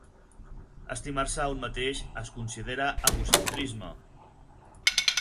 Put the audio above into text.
Estimar-se a un mateix es considera egocentrisme